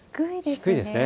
低いですね。